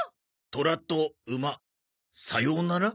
トラとウマ？「さようなら」？